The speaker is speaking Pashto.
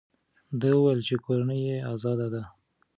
ده وویل چې کورنۍ یې ازاده ده.